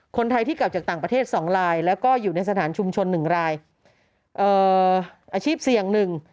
คนไทยที่กลับจากต่างประเทศสองรายแล้วก็อยู่ในสถานชุมชนหนึ่งรายเอ่ออาชีพเสี่ยงหนึ่ง